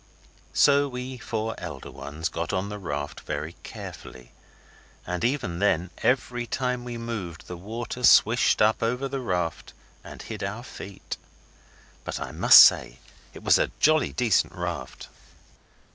So we four elder ones got on the raft very carefully; and even then, every time we moved the water swished up over the raft and hid our feet. But I must say it was a jolly decent raft.